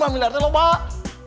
lima miliarden lho mbah